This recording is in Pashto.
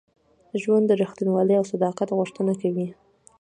ژوند د رښتینولۍ او صداقت غوښتنه کوي.